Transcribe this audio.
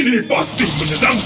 éstinya bisa dapat